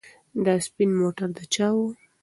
دا سپین موټر د چا و؟